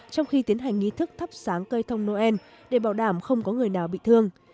trong khi tiến hành nghi thức thắp sáng cây thông noel để bảo đảm không có người nào bị thương